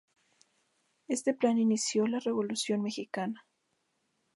Este plan inició la revolución mexicana.